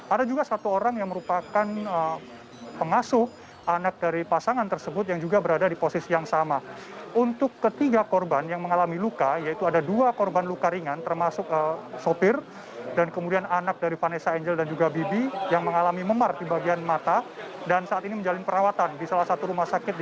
ada juga satu orang yang merupakan pengasuh anak dari pasangan tersebut yang juga berada di posisi kedua dari kendaraan tersebut